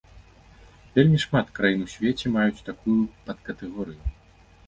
Вельмі шмат краін у свеце маюць такую падкатэгорыю.